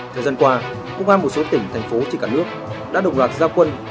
thời gian qua công an một số tỉnh thành phố trên cả nước đã đồng loạt gia quân